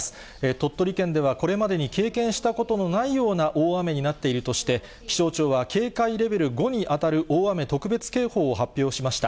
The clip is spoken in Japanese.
鳥取県ではこれまでに経験したことのないような大雨になっているとして、気象庁は警戒レベル５に当たる大雨特別警報を発表しました。